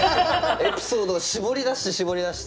エピソードを絞り出して絞り出して。